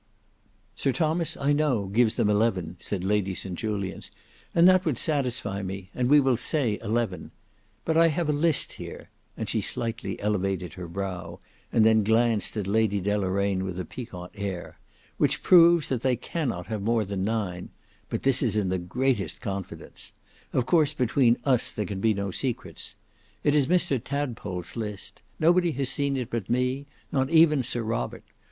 "Sir Thomas, I know, gives them eleven," said Lady St Julians; "and that would satisfy me; and we will say eleven. But I have a list here," and she slightly elevated her brow, and then glanced at Lady Deloraine with a piquant air, "which proves that they cannot have more than nine; but this is in the greatest confidence: of course between us there can be no secrets. It is Mr Tadpole's list; nobody has seen it but me; not even Sir Robert.